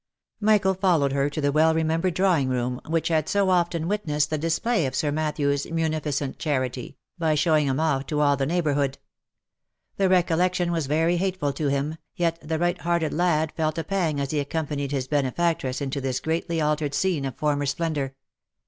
Michael followed her to the well remembered drawing room, which had so often witnessed the display of Sir Matthew's munificent charity, by showing him off to all the neighbourhood. The recollection was very hateful to him, yet the right hearted lad felt a pang as he ac companied his benefactress into this greatly altered scene of former splendour.